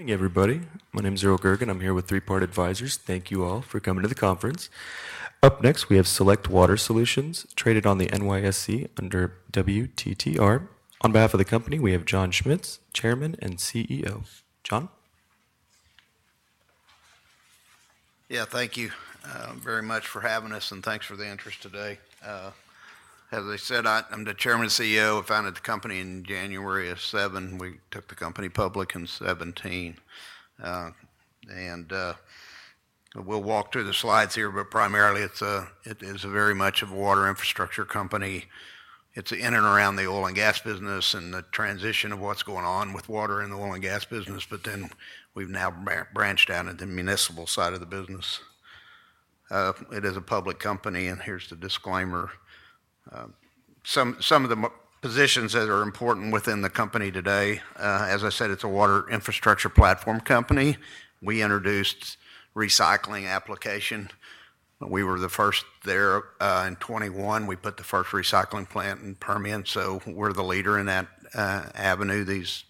Hey, everybody. My name's Earl Gergen. I'm here with Three Part Advisors. Thank you all for coming to the conference. Up next, we have Select Water Solutions, traded on the NYSE under WTTR. On behalf of the company, we have John Schmitz, Chairman and CEO. John? Yeah, thank you very much for having us, and thanks for the interest today. As I said, I'm the Chairman and CEO. I founded the company in January of 2007. We took the company public in 2017. We will walk through the slides here, but primarily, it is very much a water infrastructure company. It is in and around the oil and gas business and the transition of what is going on with water in the oil and gas business. We have now branched out into the municipal side of the business. It is a public company. Here is the disclaimer. Some of the positions that are important within the company today, as I said, it is a water infrastructure platform company. We introduced recycling application. We were the first there in 2021. We put the first recycling plant in Permian. We are the leader in that avenue. This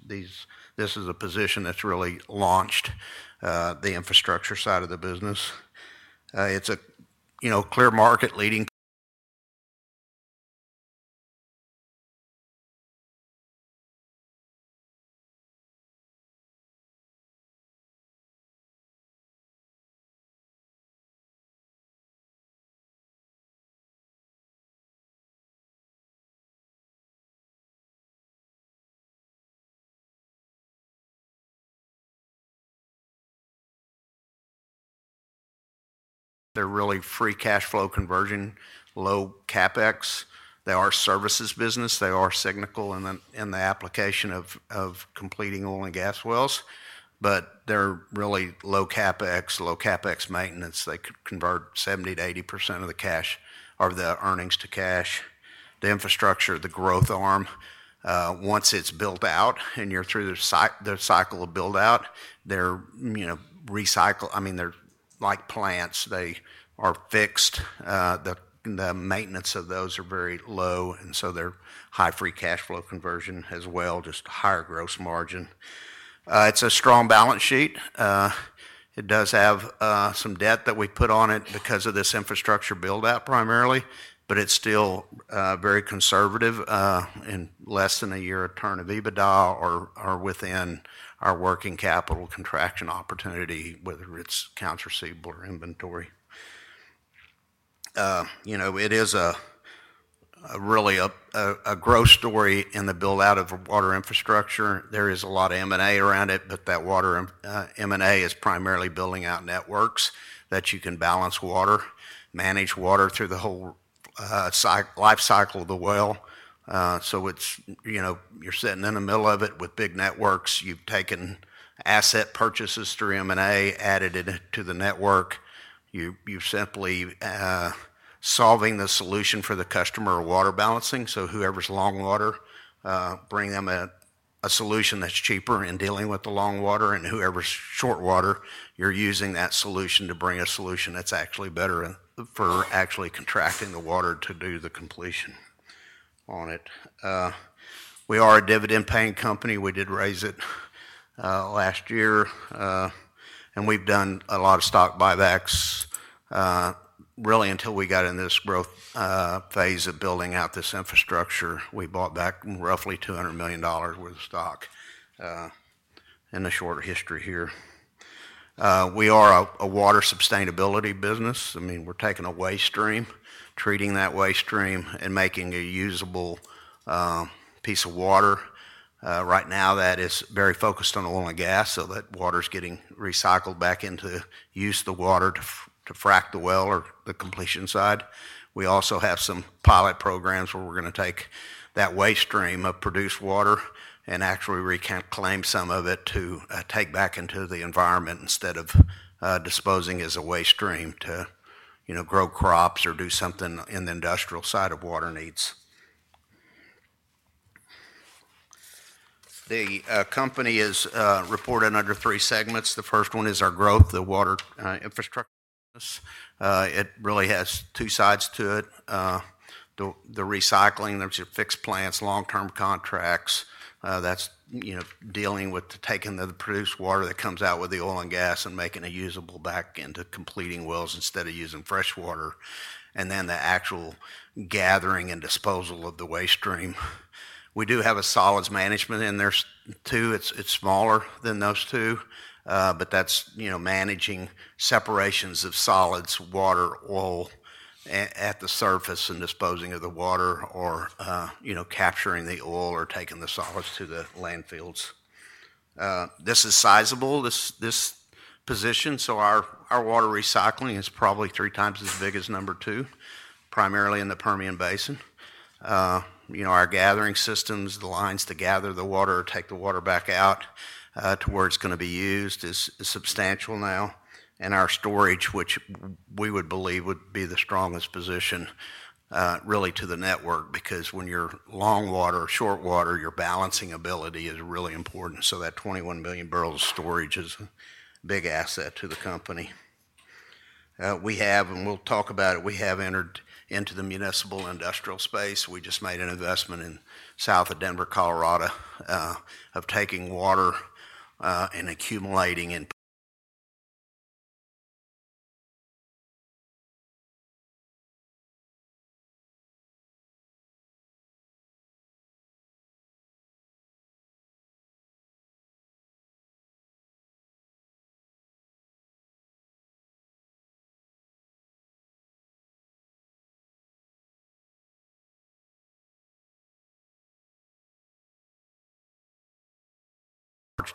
is a position that's really launched the infrastructure side of the business. It's a clear market leading. They're really free cash flow conversion, low CapEx. They are a services business. They are cyclical in the application of completing oil and gas wells. They're really low CapEx, low CapEx maintenance. They convert 70%-80% of the cash or the earnings to cash. The infrastructure, the growth arm, once it's built out and you're through the cycle of build-out, they're recycled. I mean, they're like plants. They are fixed. The maintenance of those are very low. They're high free cash flow conversion as well, just higher gross margin. It's a strong balance sheet. It does have some debt that we put on it because of this infrastructure build-out primarily, but it's still very conservative in less than a year of turn of EBITDA or within our working capital contraction opportunity, whether it's accounts receivable or inventory. It is really a growth story in the build-out of water infrastructure. There is a lot of M&A around it, but that water M&A is primarily building out networks that you can balance water, manage water through the whole life cycle of the well. You are sitting in the middle of it with big networks. You have taken asset purchases through M&A, added it to the network. You are simply solving the solution for the customer or water balancing. Whoever is long water, bring them a solution that is cheaper in dealing with the long water. Whoever's short water, you're using that solution to bring a solution that's actually better for actually contracting the water to do the completion on it. We are a dividend-paying company. We did raise it last year. We've done a lot of stock buybacks, really, until we got in this growth phase of building out this infrastructure. We bought back roughly $200 million worth of stock in a shorter history here. We are a water sustainability business. I mean, we're taking a waste stream, treating that waste stream, and making a usable piece of water. Right now, that is very focused on oil and gas so that water's getting recycled back into use, the water to frac the well or the completion side. We also have some pilot programs where we're going to take that waste stream of produced water and actually reclaim some of it to take back into the environment instead of disposing as a waste stream to grow crops or do something in the industrial side of water needs. The company is reported under three segments. The first one is our growth, the water infrastructure. It really has two sides to it. The recycling, there's your fixed plants, long-term contracts. That's dealing with taking the produced water that comes out with the oil and gas and making it usable back into completing wells instead of using fresh water. Then the actual gathering and disposal of the waste stream. We do have a solids management in there too. It's smaller than those two, but that's managing separations of solids, water, oil at the surface and disposing of the water or capturing the oil or taking the solids to the landfills. This is sizable, this position. Our water recycling is probably 3x as big as number two, primarily in the Permian Basin. Our gathering systems, the lines to gather the water or take the water back out to where it's going to be used, is substantial now. Our storage, which we would believe would be the strongest position really to the network because when you're long water, short water, your balancing ability is really important. That 21 million barrels of storage is a big asset to the company. We have, and we'll talk about it, we have entered into the municipal industrial space. We just made an investment in south of Denver, Colorado, of taking water and accumulating in.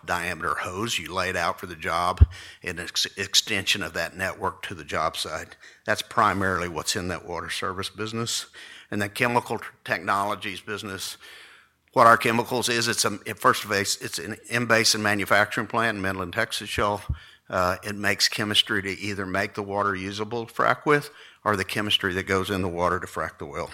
Diameter hose you laid out for the job and extension of that network to the job site. That's primarily what's in that water service business. In the chemical technologies business, what our chemicals is, first of all, it's an in-base and manufacturing plant in Midland, Texas shelf. It makes chemistry to either make the water usable, frac with, or the chemistry that goes in the water to frac the well.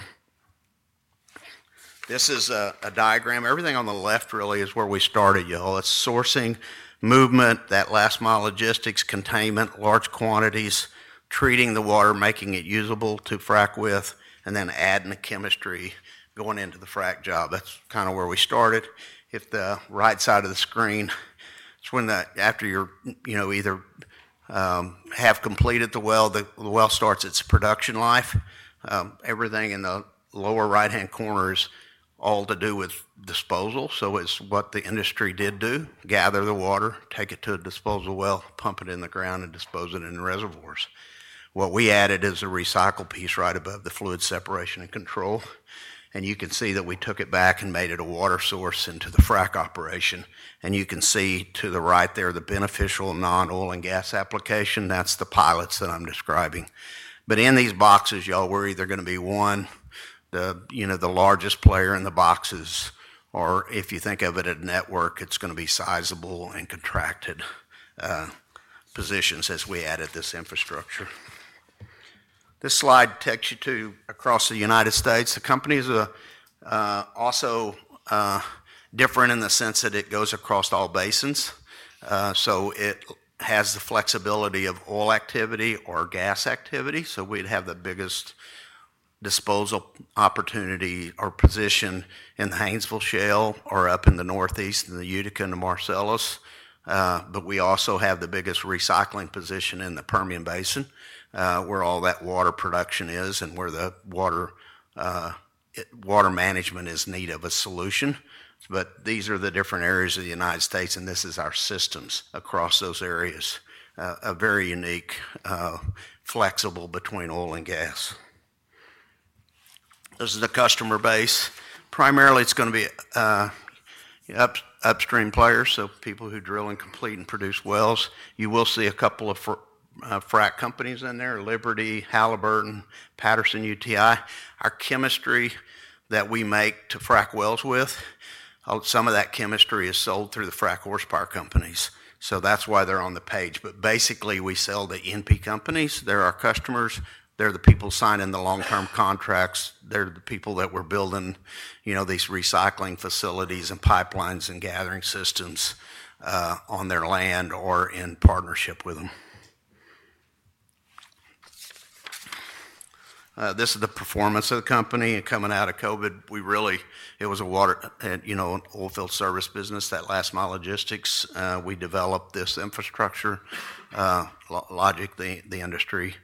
This is a diagram. Everything on the left really is where we started. It's sourcing, movement, that last mile logistics, containment, large quantities, treating the water, making it usable to frac with, and then adding the chemistry going into the frac job. That's kind of where we started. Hit the right side of the screen. It's when after you either have completed the well, the well starts its production life. Everything in the lower right-hand corner is all to do with disposal. It is what the industry did do: gather the water, take it to a disposal well, pump it in the ground, and dispose it in reservoirs. What we added is a recycle piece right above the fluid separation and control. You can see that we took it back and made it a water source into the frac operation. You can see to the right there the beneficial non-oil and gas application. That is the pilots that I'm describing. In these boxes, y'all, we're either going to be one, the largest player in the boxes, or if you think of it at network, it is going to be sizable and contracted positions as we added this infrastructure. This slide takes you to across the United States. The company is also different in the sense that it goes across all basins. So it has the flexibility of oil activity or gas activity. We have the biggest disposal opportunity or position in the Haynesville Shale or up in the northeast, in the Utica and the Marcellus. We also have the biggest recycling position in the Permian Basin where all that water production is and where the water management is in need of a solution. These are the different areas of the United States, and this is our systems across those areas. A very unique, flexible between oil and gas. This is the customer base. Primarily, it is going to be upstream players. People who drill and complete and produce wells. You will see a couple of frac companies in there: Liberty, Halliburton, Patterson-UTI. Our chemistry that we make to frac wells with, some of that chemistry is sold through the frac horsepower companies. That is why they are on the page. Basically, we sell to E&P companies. They are our customers. They are the people signing the long-term contracts. They are the people that we are building these recycling facilities and pipelines and gathering systems on their land or in partnership with them. This is the performance of the company. Coming out of COVID, it was an oilfield service business, that last mile logistics. We developed this infrastructure. Logically, the industry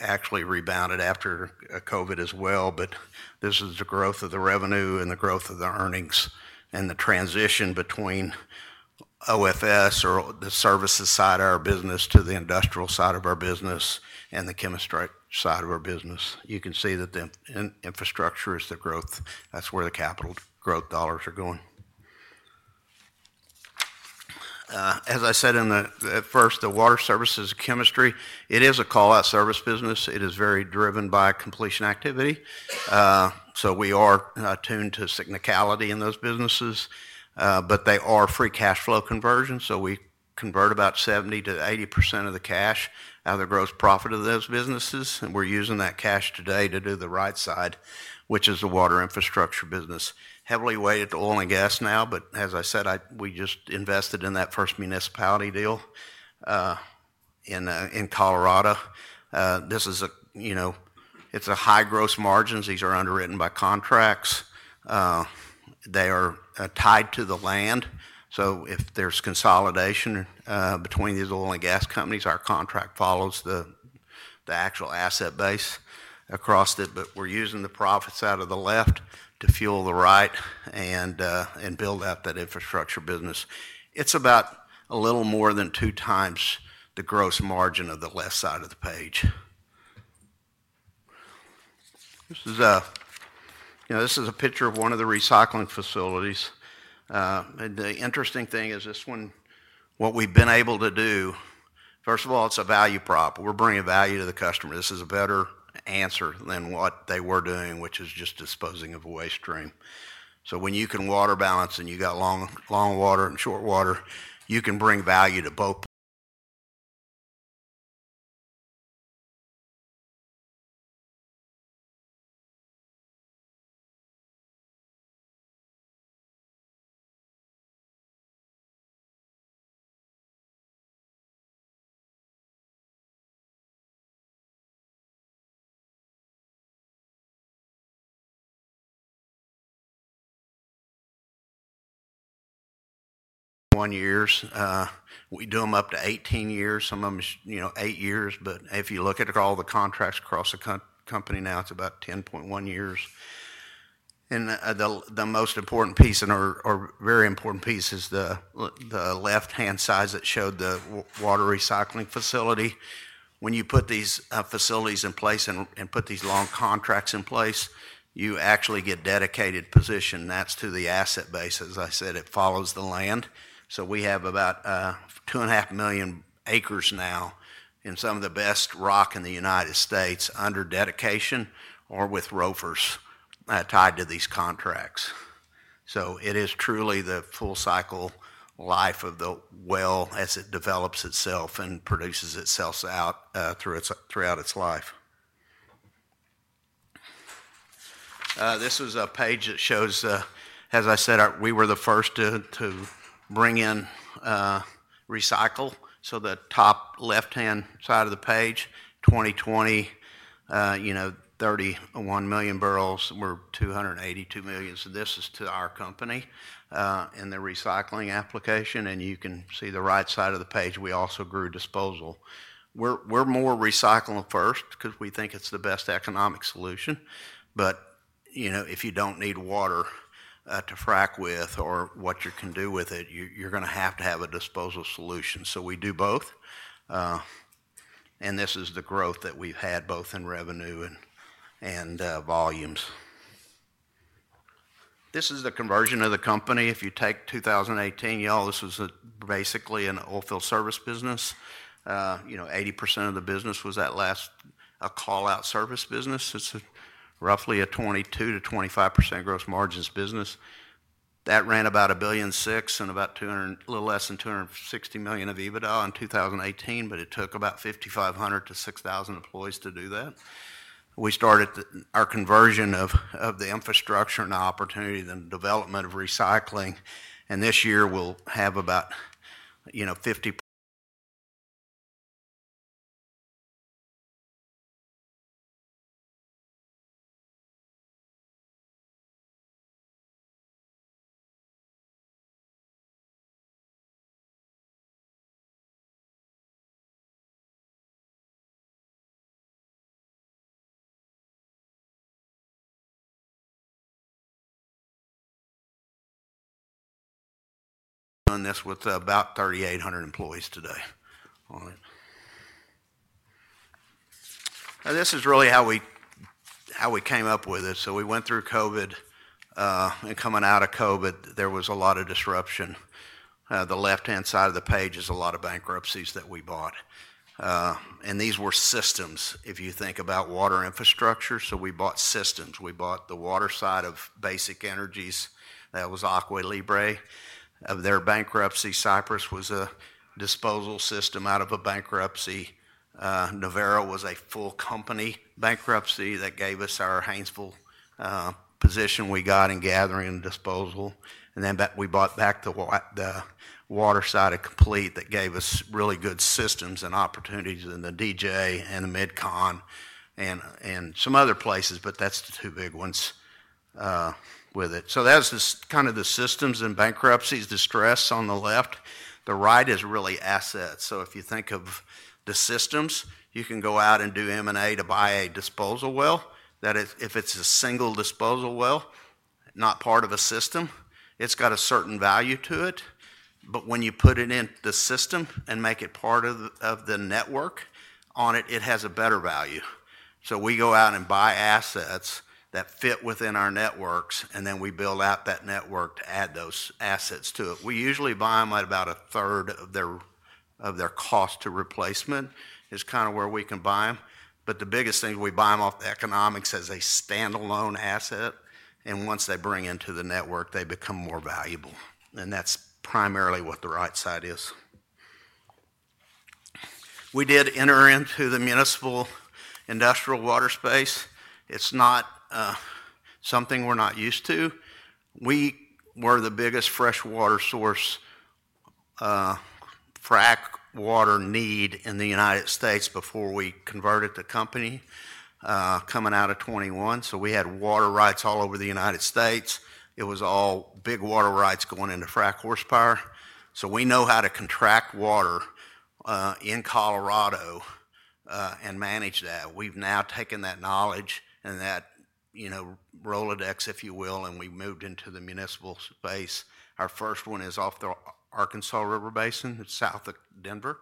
actually rebounded after COVID as well. This is the growth of the revenue and the growth of the earnings and the transition between OFS or the services side of our business to the industrial side of our business and the chemistry side of our business. You can see that the infrastructure is the growth. That's where the capital growth dollars are going. As I said at first, the water services chemistry, it is a call-out service business. It is very driven by completion activity. We are attuned to technicality in those businesses. They are free cash flow conversion. We convert about 70%-80% of the cash out of the gross profit of those businesses. We're using that cash today to do the right side, which is the water infrastructure business. Heavily weighted to oil and gas now. As I said, we just invested in that first municipality deal in Colorado. This is a, it's a high gross margins. These are underwritten by contracts. They are tied to the land. If there's consolidation between these oil and gas companies, our contract follows the actual asset base across it. We're using the profits out of the left to fuel the right and build out that infrastructure business. It's about a little more than two times the gross margin of the left side of the page. This is a picture of one of the recycling facilities. The interesting thing is this one, what we've been able to do, first of all, it's a value prop. We're bringing value to the customer. This is a better answer than what they were doing, which is just disposing of a waste stream. When you can water balance and you got long water and short water, you can bring value to both. 21 years. We do them up to 18 years. Some of them are eight years. If you look at all the contracts across the company now, it's about 10.1 years. The most important piece and our very important piece is the left-hand side that showed the water recycling facility. When you put these facilities in place and put these long contracts in place, you actually get dedicated position. That is to the asset base. As I said, it follows the land. We have about 2.5 million acres now in some of the best rock in the United States under dedication or with rovers tied to these contracts. It is truly the full cycle life of the well as it develops itself and produces itself out throughout its life. This is a page that shows, as I said, we were the first to bring in recycle. The top left-hand side of the page, 2020, 31 million barrels were $282 million. This is to our company and the recycling application. You can see the right side of the page, we also grew disposal. We're more recycling first because we think it's the best economic solution. If you do not need water to frac with or what you can do with it, you're going to have to have a disposal solution. We do both. This is the growth that we've had both in revenue and volumes. This is the conversion of the company. If you take 2018, y'all, this was basically an oilfield service business. 80% of the business was that last call-out service business. It's roughly a 22%-25% gross margins business. That ran about $1.6 billion and about a little less than $260 million of EBITDA in 2018, but it took about 5,500-6,000 employees to do that. We started our conversion of the infrastructure and the opportunity and the development of recycling. This year, we'll have about 50. This with about 3,800 employees today. This is really how we came up with it. We went through COVID, and coming out of COVID, there was a lot of disruption. The left-hand side of the page is a lot of bankruptcies that we bought. These were systems, if you think about water infrastructure. We bought systems. We bought the water side of Basic Energy's. That was Aqua Libra. Of their bankruptcy, Cypress was a disposal system out of a bankruptcy. Nuverra was a full company bankruptcy that gave us our Haynesville position we got in gathering and disposal. We bought back the water side of Complete that gave us really good systems and opportunities in the DJ and the MidCon and some other places, but that's the two big ones with it. That's just kind of the systems and bankruptcies distress on the left. The right is really assets. If you think of the systems, you can go out and do M&A to buy a disposal well. If it's a single disposal well, not part of a system, it's got a certain value to it. When you put it in the system and make it part of the network on it, it has a better value. We go out and buy assets that fit within our networks, and then we build out that network to add those assets to it. We usually buy them at about a third of their cost to replacement is kind of where we can buy them. The biggest thing, we buy them off the economics as a standalone asset. Once they bring into the network, they become more valuable. That is primarily what the right side is. We did enter into the municipal industrial water space. It's not something we're not used to. We were the biggest freshwater source frac water need in the United States before we converted the company coming out of 2021. We had water rights all over the United States. It was all big water rights going into frac horsepower. We know how to contract water in Colorado and manage that. We've now taken that knowledge and that rolodex, if you will, and we moved into the municipal space. Our first one is off the Arkansas River Basin, south of Denver.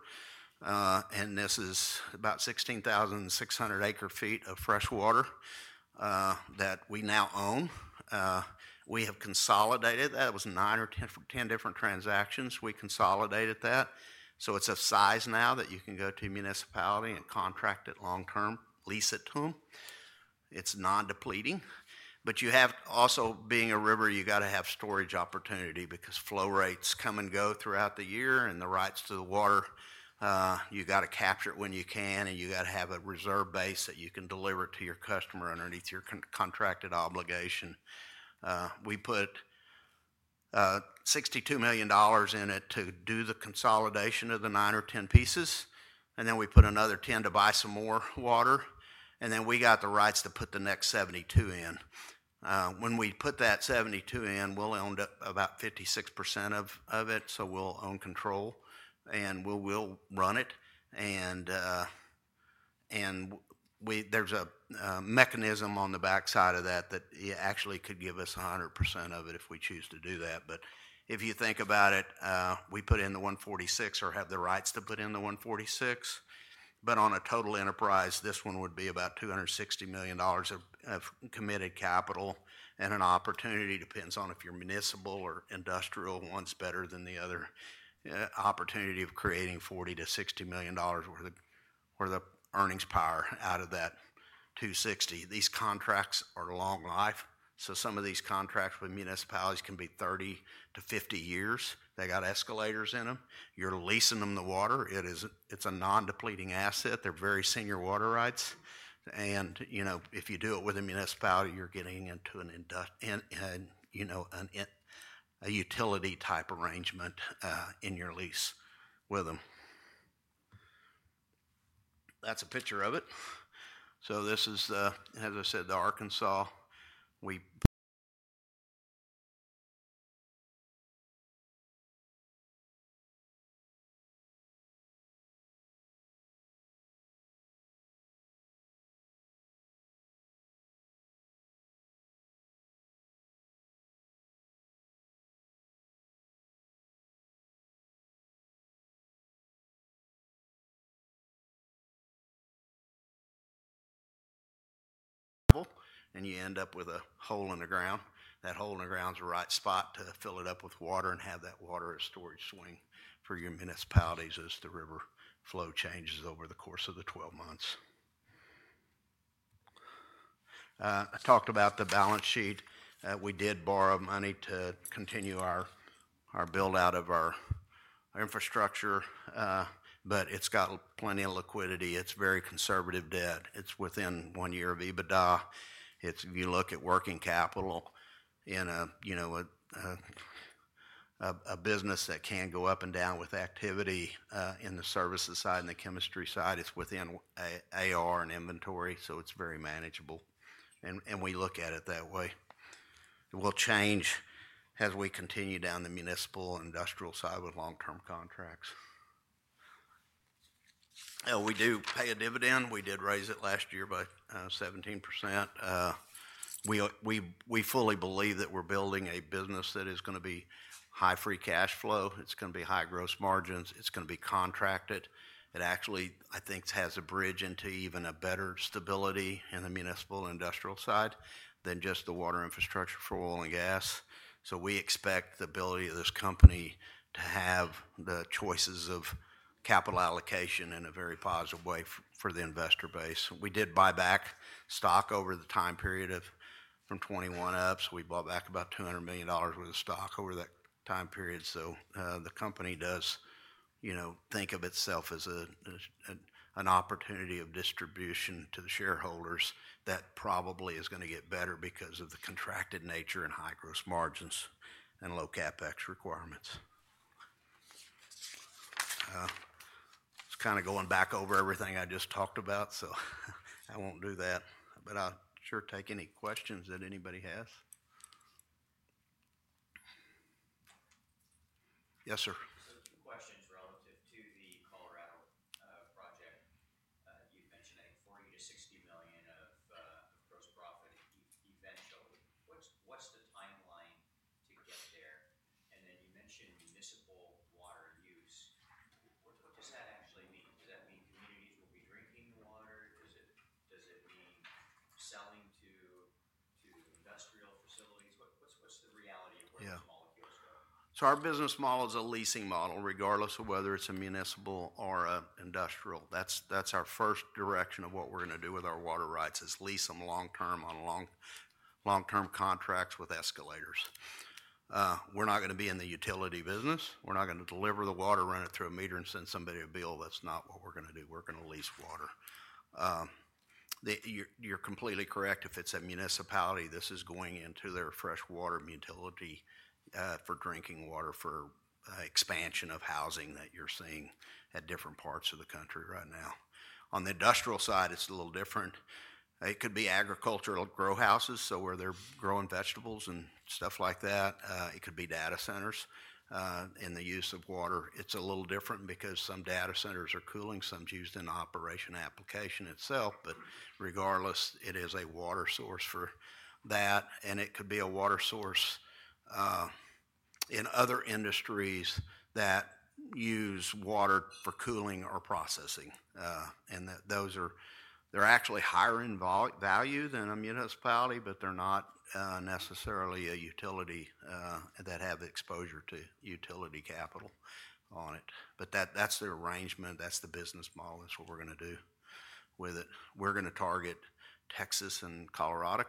This is about 16,600 acre ft of freshwater that we now own. We have consolidated. That was nine or 10 different transactions. We consolidated that. It is a size now that you can go to municipality and contract it long term, lease it to them. It is non-depleting. You have also, being a river, you got to have storage opportunity because flow rates come and go throughout the year. The rights to the water, you got to capture it when you can. You got to have a reserve base that you can deliver to your customer underneath your contracted obligation. We put $62 million in it to do the consolidation of the nine or 10 pieces. We put another $10 million to buy some more water. We got the rights to put the next $72 million in. When we put that $72 million in, we'll own about 56% of it. We'll own control and we'll run it. There is a mechanism on the backside of that that actually could give us 100% of it if we choose to do that. If you think about it, we put in the $146 million or have the rights to put in the $146 million. On a total enterprise, this one would be about $260 million of committed capital. An opportunity depends on if you're municipal or industrial, one's better than the other. Opportunity of creating $40 million-$60 million worth of earnings power out of that $260 million. These contracts are long life. Some of these contracts with municipalities can be 30-50 years. They have escalators in them. You're leasing them the water. It's a non-depleting asset. They're very senior water rights. If you do it with a municipality, you're getting into a utility type arrangement in your lease with them. That's a picture of it. This is, as I said, the Arkansas. You end up with a hole in the ground. That hole in the ground's the right spot to fill it up with water and have that water as storage swing for your municipalities as the river flow changes over the course of the 12 months. I talked about the balance sheet. We did borrow money to continue our build-out of our infrastructure. It's got plenty of liquidity. It's very conservative debt. It's within one year of EBITDA. If you look at working capital in a business that can go up and down with activity in the services side and the chemistry side, it's within AR and inventory. It is very manageable. We look at it that way. It will change as we continue down the municipal and industrial side with long-term contracts. We do pay a dividend. We did raise it last year by 17%. We fully believe that we're building a business that is going to be high free cash flow. It is going to be high gross margins. It is going to be contracted. It actually, I think, has a bridge into even a better stability in the municipal and industrial side than just the water infrastructure for oil and gas. We expect the ability of this company to have the choices of capital allocation in a very positive way for the investor base. We did buy back stock over the time period from 2021 up. We bought back about $200 million worth of stock over that time period. The company does think of itself as an opportunity of distribution to the shareholders that probably is going to get better because of the contracted nature and high gross margins and low CapEx requirements. It is kind of going back over everything I just talked about. I will not do that. I will sure take any questions that anybody has. Yes, sir. for drinking water for expansion of housing that you are seeing at different parts of the country right now. On the industrial side, it is a little different. It could be agricultural grow houses, so where they are growing vegetables and stuff like that. It could be data centers in the use of water. It's a little different because some data centers are cooling. Some are used in operation application itself. Regardless, it is a water source for that. It could be a water source in other industries that use water for cooling or processing. They're actually higher in value than a municipality, but they're not necessarily a utility that has exposure to utility capital on it. That's the arrangement. That's the business model. That's what we're going to do with it. We're going to target Texas and Colorado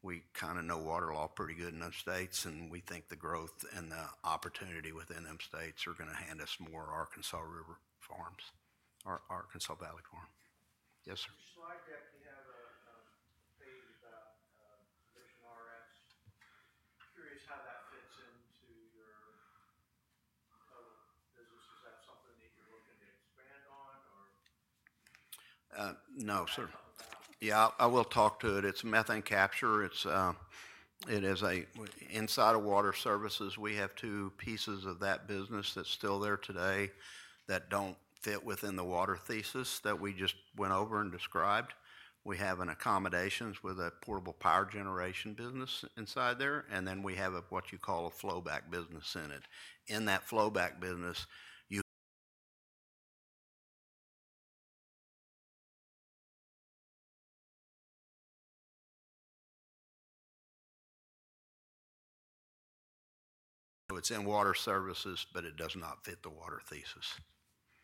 because we kind of know water law pretty good in those states. We think the growth and the opportunity within them states are going to hand us more Arkansas river farms, Arkansas valley farm. Yes, sir. This slide deck, you have a page about commissioner rates. Curious how that fits into your total business. Is that something that you're looking to expand on or? No, sir. Yeah, I will talk to it. It's methane capture. It is inside of water services. We have two pieces of that business that's still there today that don't fit within the water thesis that we just went over and described. We have an accommodations with a portable power generation business inside there. And then we have what you call a flowback business in it. In that flowback business, you it's in water services, but it does not fit the water thesis.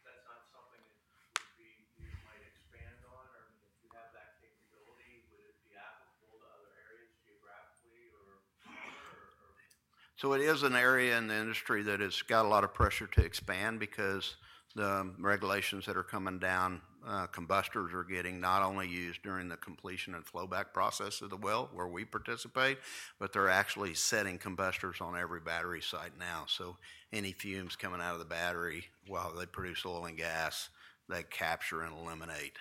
That's not something that you might expand on? Or if you have that capability, would it be applicable to other areas geographically or? It is an area in the industry that has got a lot of pressure to expand because the regulations that are coming down, combustors are getting not only used during the completion and flowback process of the well where we participate, but they're actually setting combustors on every battery site now. Any fumes coming out of the battery while they produce oil and gas, they capture and eliminate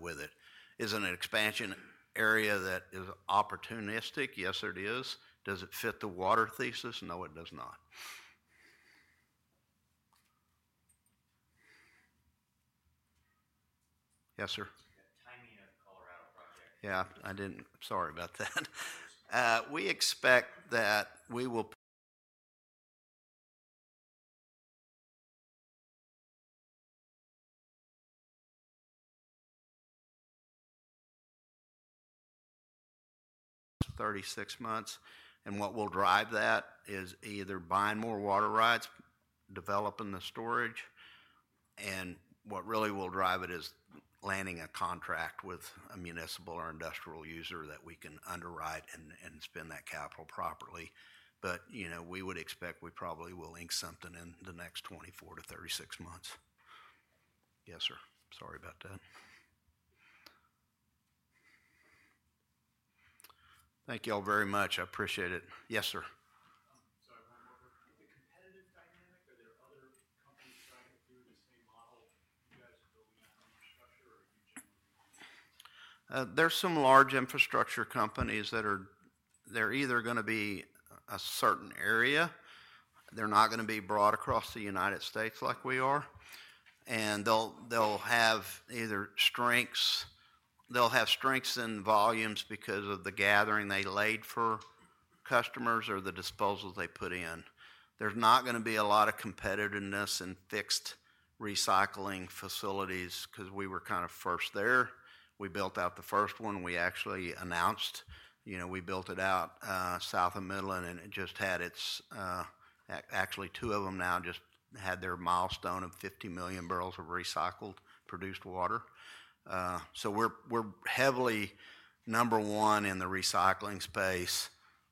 with it. Is it an expansion area that is opportunistic? Yes, it is. Does it fit the water thesis? No, it does not. Yes, sir. Timing of Colorado project. Yeah, I didn't. Sorry about that. We expect that we will 36 months. And what will drive that is either buying more water rights, developing the storage. What really will drive it is landing a contract with a municipal or industrial user that we can underwrite and spend that capital properly. We would expect we probably will ink something in the next 24-36 months. Yes, sir. Sorry about that. Thank you all very much. I appreciate it. Yes, sir. Sorry, one more quick question. The competitive dynamic, are there other companies trying to do the same model? You guys are building on infrastructure or are you generally? There are some large infrastructure companies that are either going to be a certain area. They are not going to be brought across the United States like we are. They will have either strengths in volumes because of the gathering they laid for customers or the disposals they put in. There's not going to be a lot of competitiveness in fixed recycling facilities because we were kind of first there. We built out the first one. We actually announced we built it out south of Midland, and it just had its, actually, two of them now just had their milestone of 50 million barrels of recycled produced water. So we're heavily number one in the recycling space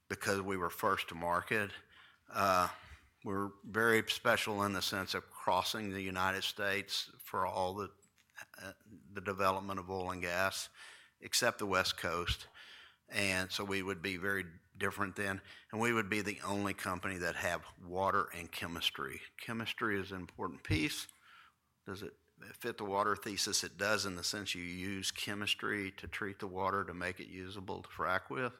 because we were first to market. We're very special in the sense of crossing the United States for all the development of oil and gas, except the West Coast. We would be very different then. We would be the only company that have water and chemistry. Chemistry is an important piece. Does it fit the water thesis? It does in the sense you use chemistry to treat the water to make it usable to frac with.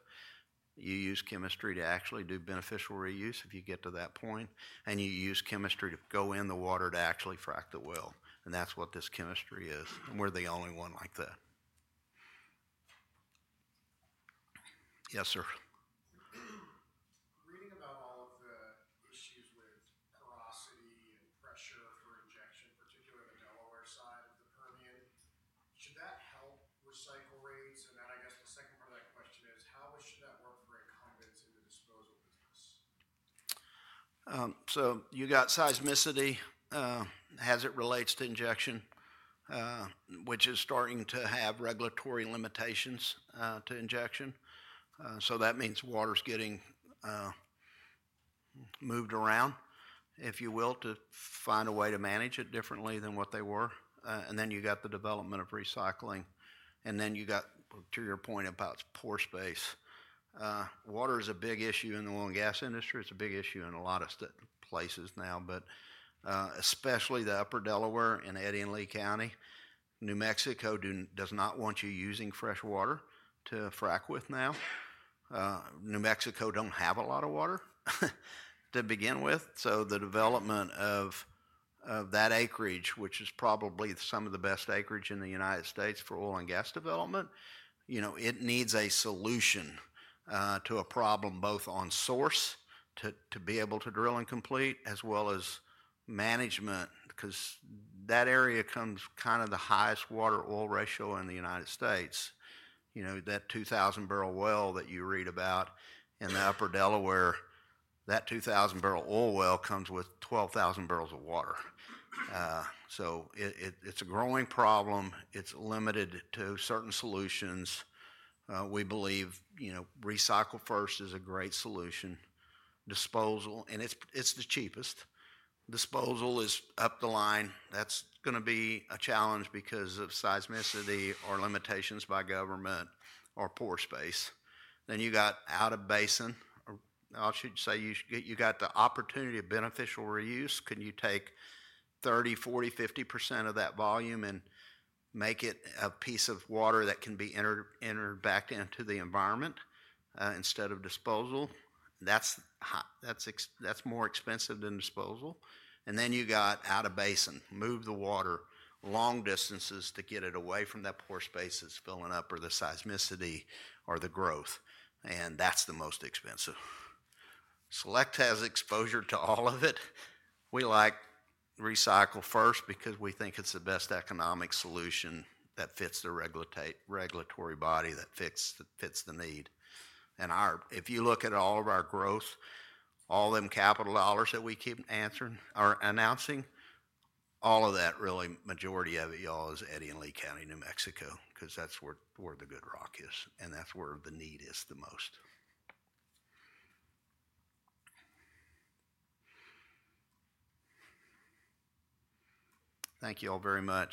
You use chemistry to actually do beneficial reuse if you get to that point. You use chemistry to go in the water to actually frac the well. That is what this chemistry is. We are the only one like that. Yes, sir. Reading about all of the issues with porosity and pressure for injection, particularly the Delaware side of the Permian, should that help recycle rates? I guess the second part of that question is, how should that work for incumbents in the disposal business? You have seismicity as it relates to injection, which is starting to have regulatory limitations to injection. That means water is getting moved around, if you will, to find a way to manage it differently than what they were. You have the development of recycling. You have, to your point, about poor space. Water is a big issue in the oil and gas industry. It's a big issue in a lot of places now, but especially the upper Delaware and Eddy and Lea County. New Mexico does not want you using fresh water to frack with now. New Mexico does not have a lot of water to begin with. The development of that acreage, which is probably some of the best acreage in the United States for oil and gas development, it needs a solution to a problem both on source to be able to drill and complete as well as management because that area comes kind of the highest water-oil ratio in the United States. That 2,000-barrel well that you read about in the upper Delaware, that 2,000-barrel oil well comes with 12,000 barrels of water. It's a growing problem. It's limited to certain solutions. We believe recycle first is a great solution. Disposal, and it's the cheapest. Disposal is up the line. That's going to be a challenge because of seismicity or limitations by government or poor space. You got out of basin. I should say you got the opportunity of beneficial reuse. Can you take 30%, 40%, 50% of that volume and make it a piece of water that can be entered back into the environment instead of disposal? That's more expensive than disposal. You got out of basin. Move the water long distances to get it away from that poor space that's filling up or the seismicity or the growth. That's the most expensive. Select has exposure to all of it. We like recycle First because we think it's the best economic solution that fits the regulatory body that fits the need. If you look at all of our growth, all them capital dollars that we keep announcing, all of that really, majority of it, y'all, is Eddy and Lea County, New Mexico, because that's where the good rock is. That's where the need is the most. Thank you all very much.